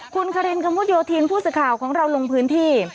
คุณคารินกระมุดโยธินผู้สื่อข่าวของเราลงพื้นที่